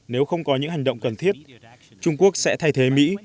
nếu không có những hành động cần thiết trung quốc sẽ thay thế mỹ